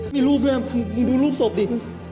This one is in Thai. มีรูปด้วยมึงดูรูปศพดิ